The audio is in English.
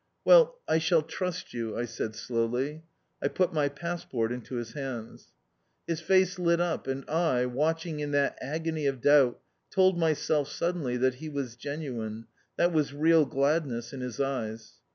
"Well, I shall trust you," I said slowly. I put my passport into his hands. His face lit up and I, watching in that agony of doubt, told myself suddenly that he was genuine, that was real gladness in his eyes.